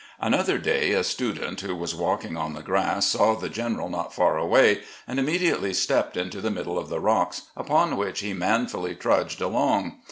" Another day, a student who was walking on the grass saw the General not far away, and immediately stepped into the middle of the rocks, upon which he manfully trudged along.